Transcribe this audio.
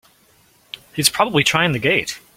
He's probably trying the gate!